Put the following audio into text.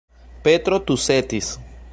Petro tusetis.